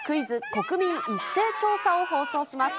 国民一斉調査を放送します。